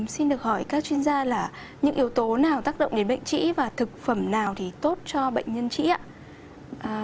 xin được hỏi các chuyên gia là những yếu tố nào tác động đến bệnh trĩ và thực phẩm nào thì tốt cho bệnh nhân chị ạ